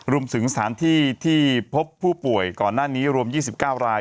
รวมถึงสถานที่ที่พบผู้ป่วยก่อนหน้านี้รวม๒๙ราย